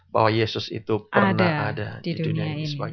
bahwa yesus itu pernah ada di dunia ini sebagai sejarah itu